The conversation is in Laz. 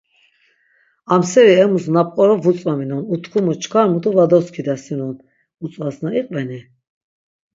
"Am seri emus na p̌qorop vutzvaminon, utkumu çkar mutu va doskidasinon" utzvasna iqveni?